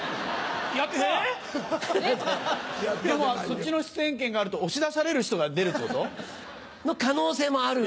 そっちの出演権があると押し出される人が出るってこと？の可能性もある。